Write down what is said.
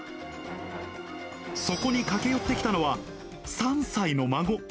そこに駆け寄ってきたのは、３歳の孫。